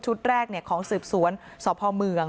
ชุดแรกของสืบสวนสพม